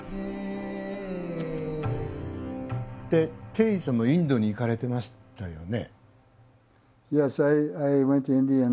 テリーさんもインドに行かれてましたよね。